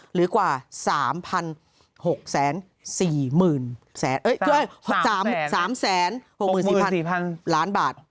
หรือกว่า๓๖๔๓๖๔๐๐ล้านบาท